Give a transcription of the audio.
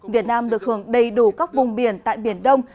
việt nam được hưởng đầy đủ các vùng biển tại biển đông